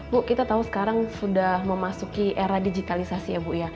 bu kita tahu sekarang sudah memasuki era digitalisasi ya bu ya